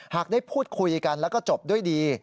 ได้พูดคุยกันแล้วก็จบด้วยดี